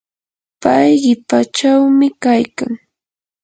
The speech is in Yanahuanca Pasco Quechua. pay qipachawmi kaykan.